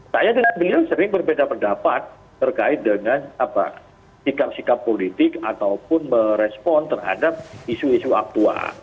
saya dengan beliau sering berbeda pendapat terkait dengan sikap sikap politik ataupun merespon terhadap isu isu aktual